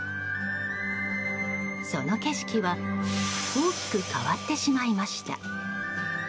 その景色は大きく変わってしまいました。